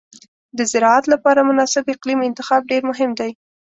د زراعت لپاره مناسب اقلیم انتخاب ډېر مهم دی.